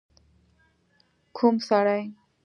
ک و م سړی؟